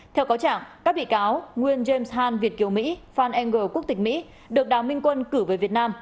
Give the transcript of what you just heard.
theo cáo trạng các bị cáo nguyên james han việt kiều mỹ phan eng quốc tịch mỹ được đào minh quân cử về việt nam